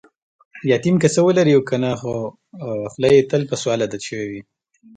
یتیم که څه ولري او کنه، خوخوله یې تل په سوال عادت شوې وي.